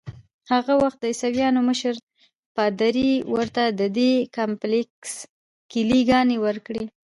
هغه وخت د عیسویانو مشر پادري ورته ددې کمپلیکس کیلې ګانې ورکړې.